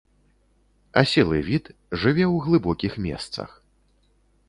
Аселы від, жыве ў глыбокіх месцах.